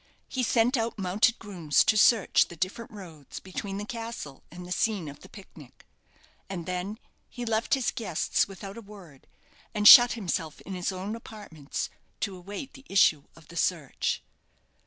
He sent out mounted grooms to search the different roads between the castle and the scene of the pic nic; and then he left his guests without a word, and shut himself in his own apartments, to await the issue of the search.